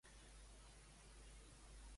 Però, què més podria ser Bodbh i Macha?